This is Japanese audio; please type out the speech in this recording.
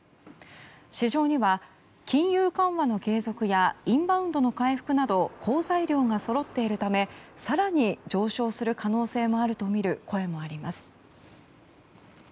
市場には金融緩和の継続やインバウンドの回復など好材料がそろっているため更に上昇する可能性もあるとみる声もあります。